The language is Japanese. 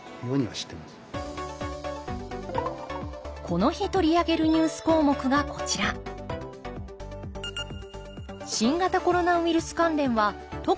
この日取り上げるニュース項目がこちら新型コロナウイルス関連は特に重要だと考え